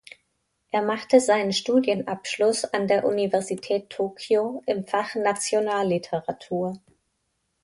Er machte seinen Studienabschluss an der Universität Tokio im Fach Nationalliteratur.